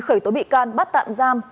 khởi tố bị can bắt tạm giam